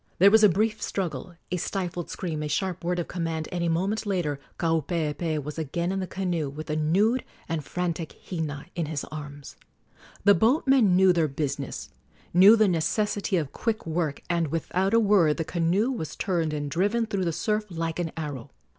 There was a brief struggle, a stifled scream, a sharp word of command, and a moment later Kaupeepee was again in the canoe with the nude and frantic Hina in his arms. The boatmen knew their business knew the necessity of quick work and without a word the canoe was turned and driven through the surf like an arrow.